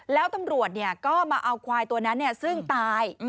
แล้วตำรวจก็มาเอาควายตัวนั้นซึ่งตาย